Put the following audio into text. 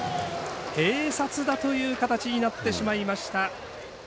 併殺打という形になってしまいました。